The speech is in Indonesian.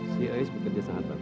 si eus bekerja sangat bangga